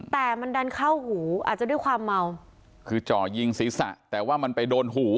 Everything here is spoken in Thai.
แต่มันดันเข้าหูอาจจะด้วยความเมาคือจ่อยิงศีรษะแต่ว่ามันไปโดนหู